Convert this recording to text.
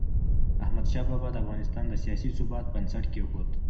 احمدشاه بابا د افغانستان د سیاسي ثبات بنسټ کېښود.